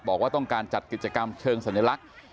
บอกว่าต้องการจัดกิจกรรมเชิงสัญลักษณ์